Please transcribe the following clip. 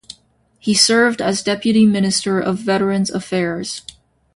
He served as Deputy Minister of Veterans' Affairs.